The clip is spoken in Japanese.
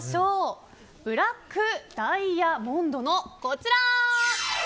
ブラックダイヤモンドのこちら！